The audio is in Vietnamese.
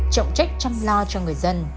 chăm lo cho người dân